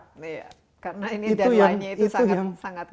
karena ini dan lainnya itu sangat sangat ketat